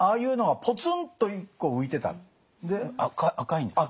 赤いんですか？